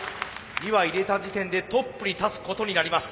２羽入れた時点でトップに立つことになります。